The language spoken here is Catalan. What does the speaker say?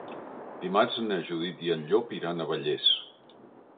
Dimarts na Judit i en Llop iran a Vallés.